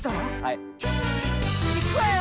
いくわよ！